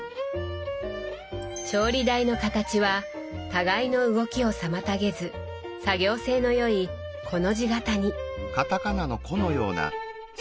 調理台の形は互いの動きを妨げず作業性の良いコの字型に。